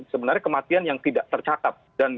sebenarnya kematian yang tidak tercatat